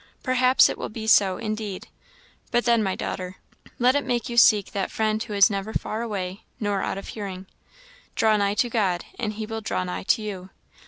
Perhaps it will be so, indeed; but then, my daughter, let it make you seek that Friend who is never far away nor out of hearing. Draw nigh to God, and he will draw nigh to you.